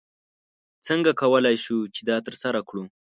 څنګه کولی شو چې دا ترسره کړو؟